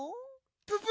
ププ！